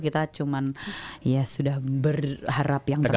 kita cuma ya sudah berharap yang terbaik